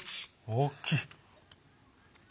大っきい。